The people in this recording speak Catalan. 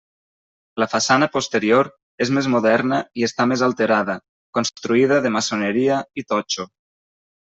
La façana posterior és més moderna i està més alterada, construïda de maçoneria i totxo.